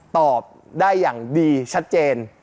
ตอบได้อย่างดีชัดเจน